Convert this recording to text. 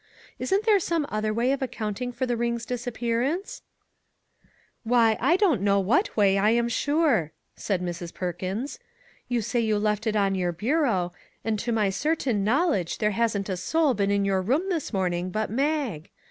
Isn't there some other way of accounting for the ring's disappearance ?"" Why, I don't know what way, I am sure," said Mrs. Perkins. " You say you left it on your bureau, and to my certain knowledge there hasn't a soul been in your room this morning but Mag.